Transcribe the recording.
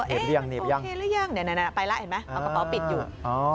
หนีบยังนี่ไปแล้วเห็นไหมเอากระเป๋าปิดอยู่